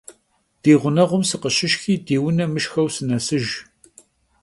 Di ğuneğum sıkhışışşxi di vune mışşxeu sınesıjj.